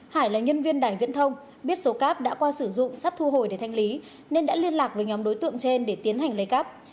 hải là nhân viên đài viễn thông biết số cáp đã qua sử dụng sắp thu hồi để thanh lý nên đã liên lạc với nhóm đối tượng trên để tiến hành lấy cắp